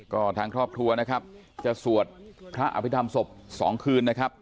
ก็ทางครอบครัวนะครับจะสวดพระอภิษฐรรมศพ๒คืนนะครับ